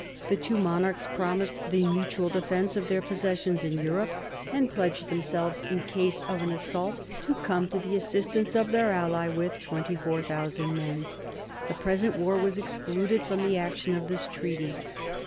The two monarchs promised the mutual defence of their possessions in Europe, and pledged themselves, in case of an assault, to come to the assistance of their ally with 24,000 men. The present war was excluded from the action of this treaty.